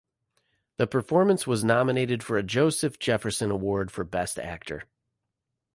The performance was nominated for a Joseph Jefferson Award for best actor.